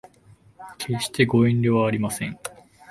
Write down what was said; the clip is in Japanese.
決してご遠慮はありません